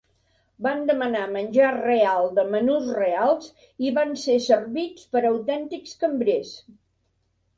Van demanar menjar real de menús reals i van ser servits per autèntics cambrers.